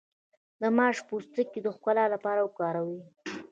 د ماش پوستکی د ښکلا لپاره وکاروئ